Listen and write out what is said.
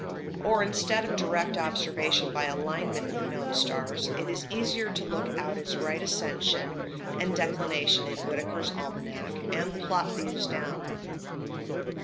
Or, instead of direct observation by alignment with known stars, it is easier to look out its right ascension and declination in Whitaker's Almanac, and plot those down.